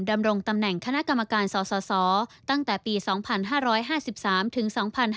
ดำรงตำแหน่งคณะกรรมการสสตั้งแต่ปี๒๕๕๓ถึง๒๕๕๙